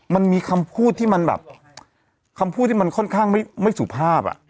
มันมีคำพูดที่มันแบบคำพูดที่มันค่อนข้างไม่สุภาพ